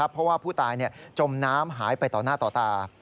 เพราะว่าผู้ตายจมน้ำหายไปต่อหน้าต่อตา